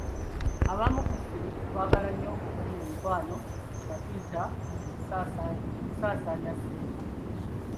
Abamu ku ffe twagala nnyo okufuna emikwano nga tuyita mu kusaasanya ssente.